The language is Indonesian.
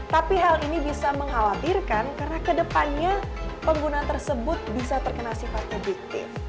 tapi hal ini bisa mengkhawatirkan karena kedepannya penggunaan tersebut bisa terkena sifat objektif